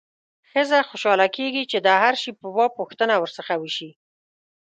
ښځه خوشاله کېږي چې د هر شي په باب پوښتنه ورڅخه وشي.